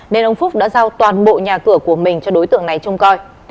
nên ông phúc đã giao toàn bộ nhà cửa của mình cho đối tượng này trông coi